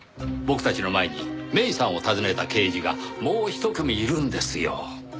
僕たちの前に芽依さんを訪ねた刑事がもう一組いるんですよ。